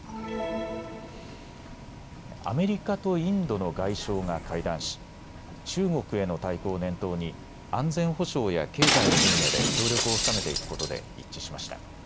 アメリカとインドの外相が会談し中国への対抗を念頭に安全保障や経済の分野で協力を深めていくことで一致しました。